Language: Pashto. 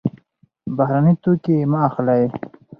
بهرني توکي مه اخلئ.